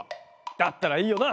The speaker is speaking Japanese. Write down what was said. だったらいいよな！